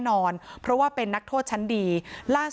พร้อมด้วยผลตำรวจเอกนรัฐสวิตนันอธิบดีกรมราชทัน